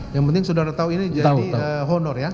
yang penting saudara tahu ini jadi honor ya